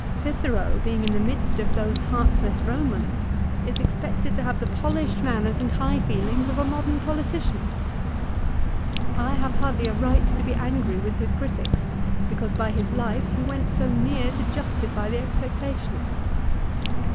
Cicero being in the midst of those heartless Eomans is expected to have the polished manners and high feelings of a modern politician ! I have hardly a right to be angry with his critics because by his life he went so near to justify the expectation.